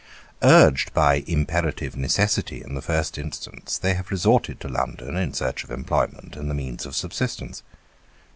Urged by imperative necessity in the first instance, they have resorted to London in search of employment, and the means of subsistence.